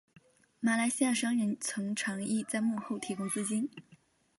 马来西亚商人曾长义在幕后提供资金。